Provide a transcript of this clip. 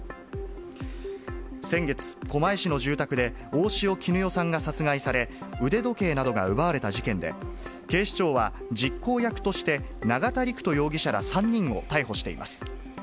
先月、狛江市の住宅で大塩衣与さんが殺害され、腕時計などが奪われた事件で、警視庁は、実行役として永田陸人容疑者ら、３人を逮捕しています。